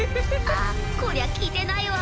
あこりゃ聞いてないわ